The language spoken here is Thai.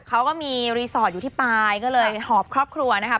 เขาก็มีรีสอร์ทอยู่ที่ปลายก็เลยหอบครอบครัวนะครับ